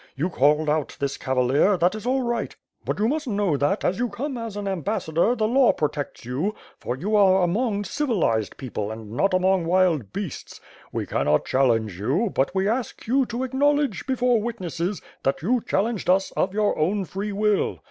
You called out this cavalier — ^that is all right; but you must know that, as you come as an ambassador, the law protects you, for you are among civilized people, and not among wild beasts. We cannot challenge you, but we ask you to acknowledge, before witnesses, that you challenged us of your own free will.